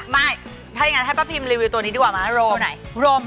ไม่ถ้าอย่างนั้นให้ป้าพิมรีวิวตัวนี้ดีกว่าไหมโรมตัวไหน